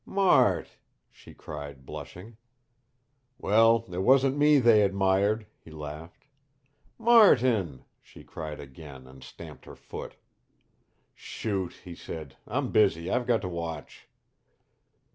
"Mart!" she cried, blushing. "Well it wasn't ME they admired," he laughed. "Martin!" she cried again, and stamped her foot. "Shoot," he said. "I'm busy. I've got to watch."